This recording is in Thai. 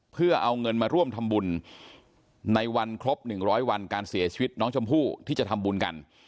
เพื่อเอาเงินมาร่วมทำบุญในวันครบ๑๐๐วันการเสียชีวิตน้องชมพู่ที่จะทำบุญกัน